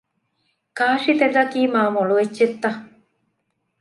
ކާށިތެލަކީ މާ މޮޅު އެއްޗެއްތަ؟